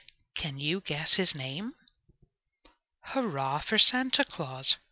Can you guess his name? "Hurrah for Santa Claus!"